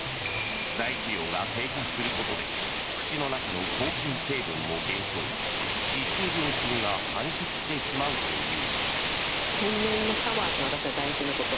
だ液量が低下することで口の中の抗菌成分も減少し歯周病菌が繁殖してしまうという。